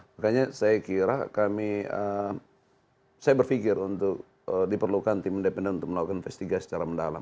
makanya saya kira kami saya berpikir untuk diperlukan tim independen untuk melakukan investigasi secara mendalam